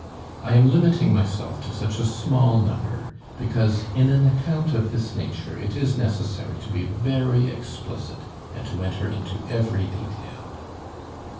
I am limiting myself to such a small number because in an account of this nature it is necessary to be very explicit and to enter into every detail.